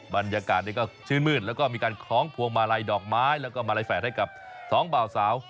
บรรยากาศก็ชื่นมืดแล้วก็มีการคล้องพวงมาลัยดอกไม้แล้วก็มาลัยแฝดให้กับสองบ่าวสาว